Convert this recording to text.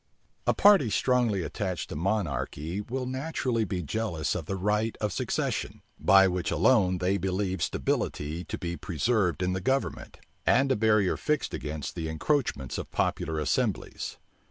A party strongly attached to monarchy will naturally be jealous of the right of succession, by which alone they believe stability to be preserved in the government, and a barrier fixed against the encroachments of popular assemblies.